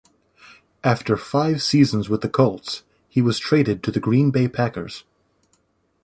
After five seasons with the Colts, he was traded to the Green Bay Packers.